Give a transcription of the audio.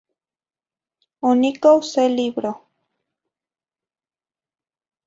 Onicoh se libroh.